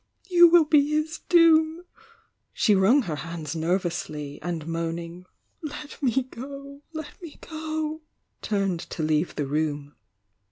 — you will be his doom !" She wrung her hands nervously, and moan ing, "Let me go! — let me go!" turned to leave the room.